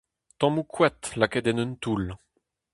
Tammoù koad lakaet en un toull.